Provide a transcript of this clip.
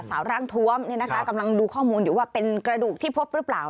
ร่างทวมเนี่ยนะคะกำลังดูข้อมูลอยู่ว่าเป็นกระดูกที่พบหรือเปล่า